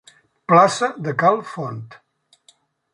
Plaça de Cal Font.